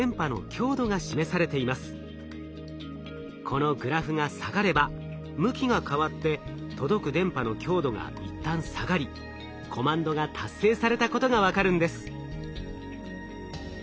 このグラフが下がれば向きが変わって届く電波の強度が一旦下がりコマンドが達成されたことが分かるんです。